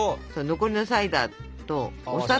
残りのサイダーとお砂糖も入れてよ。